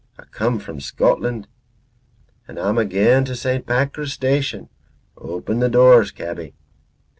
A' come from Scotland. And a'm gaein' to St. Pancras Station. Open the doors, cabby."